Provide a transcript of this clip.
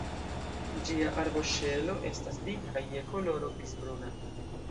Ĝia arboŝelo estas dika kaj je koloro griz-bruna.